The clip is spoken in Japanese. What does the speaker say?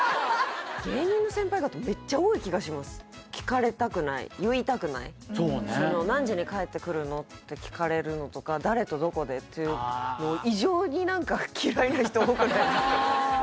芸人の先輩方めっちゃ多い気がします聞かれたくない言いたくないそうね「何時に帰ってくるの？」って聞かれるのとか「誰とどこで」っていうのを異常に何か嫌いな人多くないですか？